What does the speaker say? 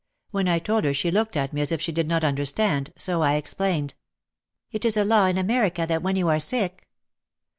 When I told her she looked at me as if she did not understand, so I explained : "It is a law in America that when you are sick